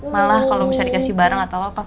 malah kalau bisa dikasih barang atau apa